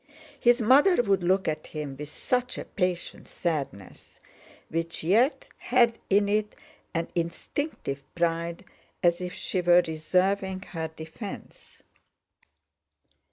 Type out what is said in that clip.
His mother would look at him with such a patient sadness which yet had in it an instinctive pride, as if she were reserving her defence.